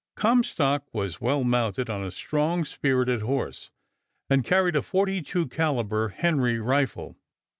Comstock was well mounted on a strong, spirited horse, and carried a 42 caliber Henry rifle.